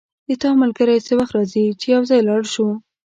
د تا ملګری څه وخت راځي چی یو ځای لاړ شو